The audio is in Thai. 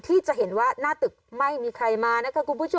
ที่จะเห็นว่าหน้าตึกไม่มีใครมานะคะคุณผู้ชม